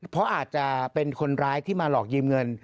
เพราะอาจจะเป็นคนร้ายที่มาหลอกยืมเงิน